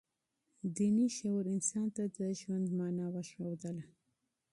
دیني شعور انسان ته د ژوند مانا وښودله.